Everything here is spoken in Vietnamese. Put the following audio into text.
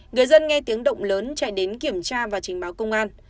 người dân nghe tiếng động lớn chạy đến kiểm tra và trình báo công an